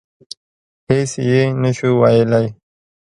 هېڅ یې نه شو ویلای.